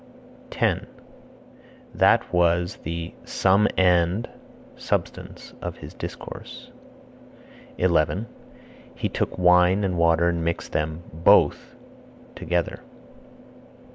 10. That was the (sum and) substance of his discourse. 11. He took wine and water and mixed them (both) together.